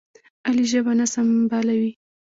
علي ژبه نه سنبالوي.